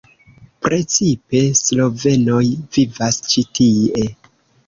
Precipe slovenoj vivas ĉi tie.